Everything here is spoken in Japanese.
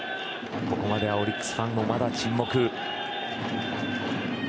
ここまではオリックスファンもまだ沈黙。